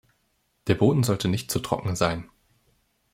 Der Boden sollte nicht zu trocken sein.